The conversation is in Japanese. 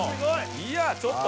いやちょっと！